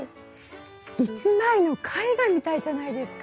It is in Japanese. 一枚の絵画みたいじゃないですか？